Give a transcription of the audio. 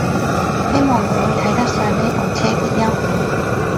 希望佢會睇得上呢部車啲優點